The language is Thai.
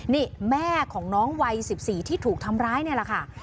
นี่แม่ของน้องวัย๑๔ที่ถูกทำร้ายนี่แหละค่ะ